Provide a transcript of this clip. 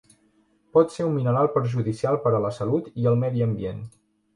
Pot ser un mineral perjudicial per a la salut i el medi ambient.